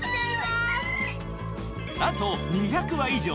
なんと２００羽以上。